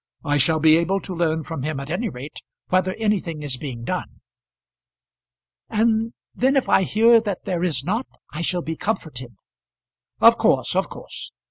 I shall be able to learn from him at any rate whether anything is being done." "And then if I hear that there is not, I shall be comforted." "Of course; of course."